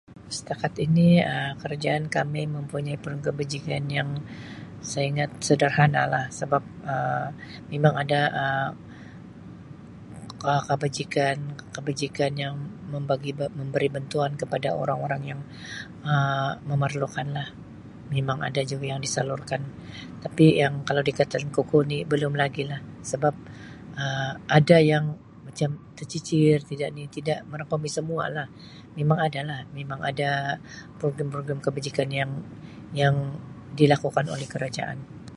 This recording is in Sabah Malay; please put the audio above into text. Setakat ini Um kerajaan kami mempunyai [unintelligible] kebajikan yang Um saya ingat sederhana lah sebab Um memang ada Um kebajikan-kebajikan yang membagi memberi bantuan kepada orang-orang yang Um memerlukan lah memang ada juga yang disalurkan tapi yang kalau dikatakan kukuh ni belum lagi lah sebab Um ada yang macam tecicir tidak di tidak merangkumi semua lah memang ada lah memang ada program-program kebajikan yang yang dilakukan oleh kerajaan.